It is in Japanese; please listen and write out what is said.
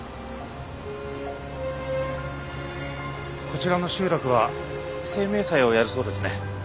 こちらの集落は清明祭をやるそうですね。